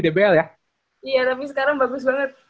dbl ya iya tapi sekarang bagus banget